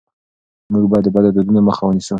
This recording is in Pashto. موږ باید د بدو دودونو مخه ونیسو.